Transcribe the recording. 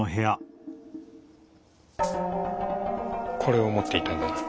これを持っていたんだな？